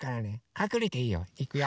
かくれていいよ。いくよ。